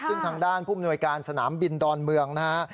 ซึ่งทางด้านผู้มนวยการสนามบินดอนเมืองนะฮะ